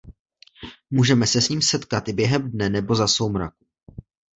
Můžeme se s ním setkat i během dne nebo za soumraku.